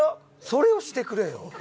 それをしてくれよ。